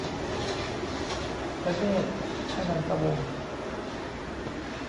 ธเนตร อนันตวงษ์